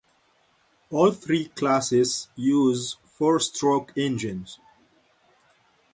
All three classes use four-stroke engines.